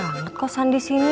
banyak banget kosan disini